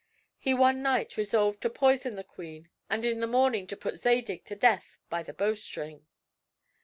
He one night resolved to poison the queen and in the morning to put Zadig to death by the bowstring.